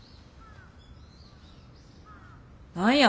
何や！